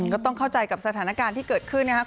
ก็ต้องเข้าใจกับสถานการณ์ที่เกิดขึ้นนะครับ